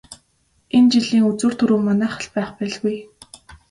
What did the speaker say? Энэ жилийн үзүүр түрүү манайх л байх байлгүй.